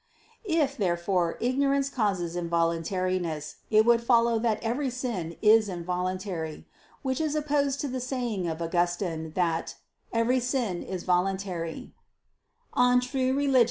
If, therefore, ignorance causes involuntariness, it would follow that every sin is involuntary: which is opposed to the saying of Augustine, that "every sin is voluntary" (De Vera Relig.